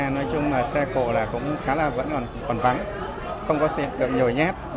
nói chung là xe cổ là cũng khá là vẫn còn vắng không có sự hiện tượng nhồi nhét